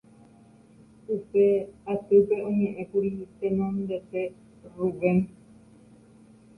Upe atýpe oñe'ẽkuri tenondete Rubén